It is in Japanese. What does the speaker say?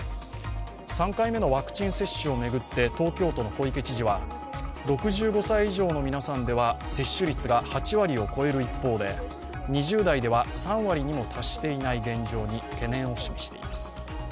３回目のワクチン接種を巡って東京都の小池知事は６５歳以上の皆さんでは接種率が８割を超える一方で、２０代では３割にも達していない現状に懸念を示しています。